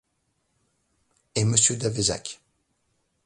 Et Monsieur d’Avezac !